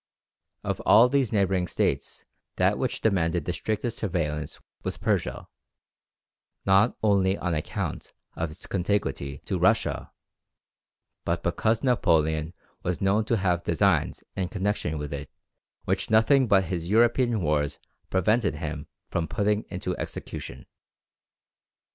Of all these neighbouring States that which demanded the strictest surveillance was Persia, not only on account of its contiguity to Russia, but because Napoleon was known to have designs in connexion with it which nothing but his European wars prevented him from putting into execution.